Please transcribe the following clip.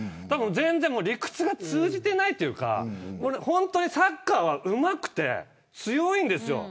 全然、理屈が通じてないというかサッカーはうまくて強いんですよ。